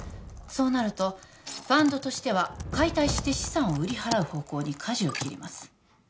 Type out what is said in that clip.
そうなるとファンドとしては解体して資産を売り払う方向に舵を切ります